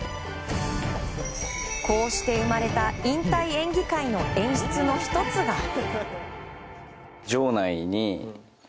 こうして生まれた引退演技会の演出の１つが。